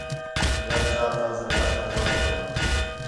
ٻِیال چار فرض رکعتیان ظُہر تیاں